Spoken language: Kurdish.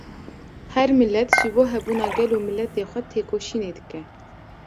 Her milet ji bo hebûna gel û miletê xwe têkoşînê dike